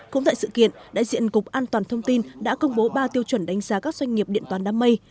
cũng tại sự kiện đại diện cục an toàn thông tin đã công bố ba tiêu chuẩn đánh giá các doanh nghiệp điện toán đám mây